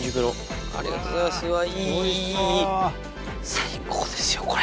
最高ですよこれ。